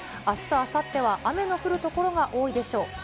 あすとあさっては雨の降る所が多いでしょう。